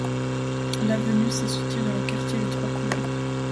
L'avenue se situe dans le quartier des Trois Couleurs.